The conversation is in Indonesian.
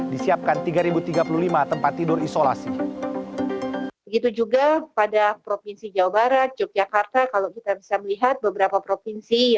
hingga lima belas februari dua ribu dua puluh satu